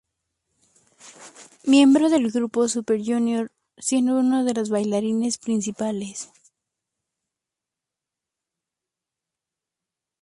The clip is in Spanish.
Miembro del grupo Super Junior, siendo uno de los bailarines principales.